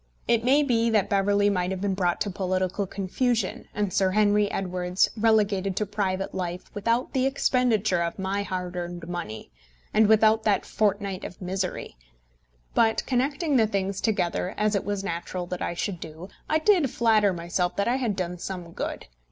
It may be that Beverley might have been brought to political confusion and Sir Henry Edwards relegated to private life without the expenditure of my hard earned money, and without that fortnight of misery; but connecting the things together, as it was natural that I should do, I did flatter myself that I had done some good.